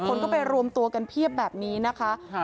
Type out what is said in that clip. คนก็ไปรวมตัวกันเพียบแบบนี้นะคะ